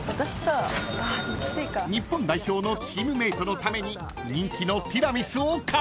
［日本代表のチームメートのために人気のティラミスを買う］